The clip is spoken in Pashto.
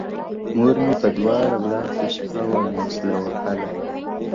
مور مې پۀ دواړه لاسه شپه وه موسله وهله.